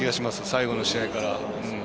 最後の試合から。